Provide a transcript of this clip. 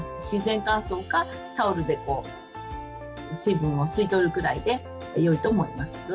自然乾燥かタオルで水分を吸い取るくらいでよいと思います。